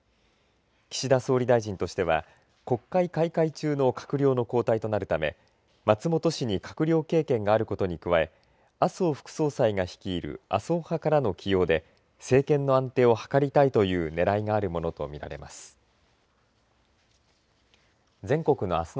岸田総理大臣としては国会開会中の閣僚の交代となるため松本氏に閣僚経験があることに加え麻生副総裁が率いる麻生派からの起用で政権の安定を図りたいというねらいがあるものと見られます。